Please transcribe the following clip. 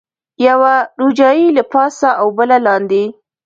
یوه روجایۍ له پاسه او بله لاندې.